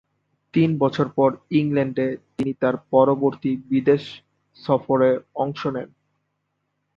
তিন বছর পর ইংল্যান্ডে তিনি তার পরবর্তী বিদেশ সফরে অংশ নেন।